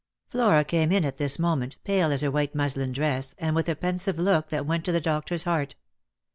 Flora came in at this moment, pale as her white muslin dress, and with a pensive look that went to the doctor's heart.